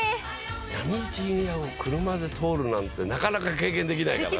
波打ち際を車で通るなんてなかなか経験できないからね。